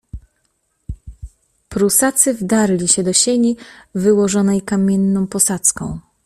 "Prusacy wdarli się do sieni, wyłożonej kamienną posadzką."